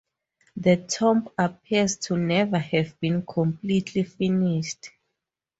The tomb appears to never have been completely finished.